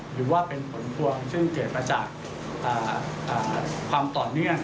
หรือว่าเป็นผลพวงซึ่งเกิดมาจากความต่อเนื่อง